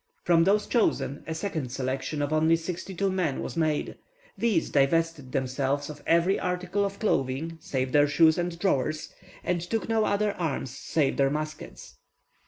From those chosen, a second selection of only sixty two men was made: these divested themselves of every article of clothing save their shoes and drawers, and took no other arms save their muskets.